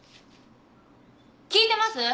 聞いてます！？